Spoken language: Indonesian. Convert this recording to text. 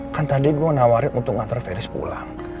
kan tadi gue nawarin untuk ngantar ferry pulang